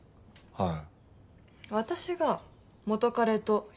はい。